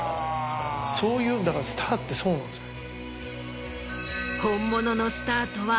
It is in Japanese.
そういうだからスターってそうなんですよ。